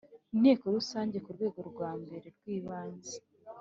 Inteko Rusange Ku rwego rwambere rwibanze